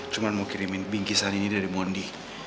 cuma mau kirimin bingkisan ini dari mondi